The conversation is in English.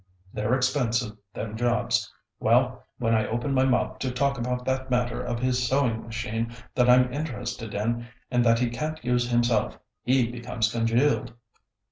They're expensive, them jobs. Well, when I open my mouth to talk about that matter of his sewing machine that I'm interested in and that he can't use himself, he becomes congealed."